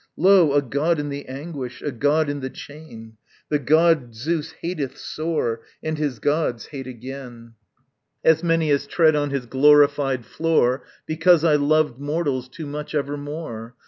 Lo, a god in the anguish, a god in the chain! The god, Zeus hateth sore And his gods hate again, As many as tread on his glorified floor, Because I loved mortals too much evermore.